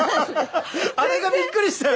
あれがびっくりして。